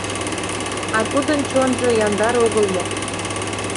А тудын чонжо яндар огыл мо?..